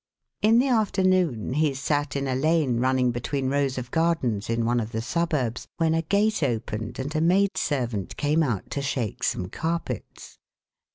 In the afternoon he sat in a lane running between rows of gardens in one of the suburbs, when a gate opened and a maid servant came out to shake some carpets.